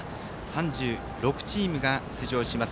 ３６チームが出場します